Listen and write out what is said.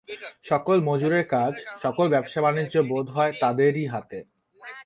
সকল মজুরের কাজ, সকল ব্যবসা-বাণিজ্য বোধ হয় তাদেরই হাতে।